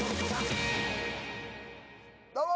どうも。